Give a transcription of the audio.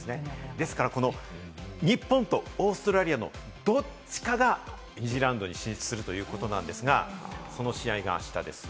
ですから、日本とオーストラリアのどっちかが２次ラウンドに進出するということなんですが、その試合があしたです。